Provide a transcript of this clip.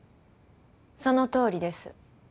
そのとおりです。